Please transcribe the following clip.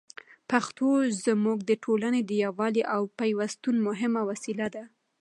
پښتو زموږ د ټولني د یووالي او پېوستون مهمه وسیله ده.